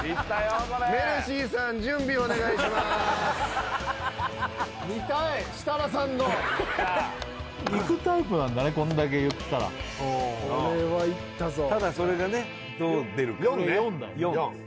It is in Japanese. これ見たい設楽さんのいくタイプなんだねこんだけ言ったらこれはいったぞただそれがねどう出るか４です